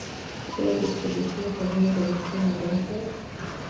Chairs used to be placed around the midsummer bonfire.